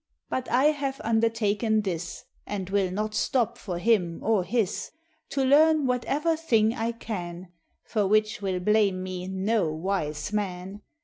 But I have undertaken this (And will not stop for him or his), To learn whatever thing I can, For which will blame me no wise man.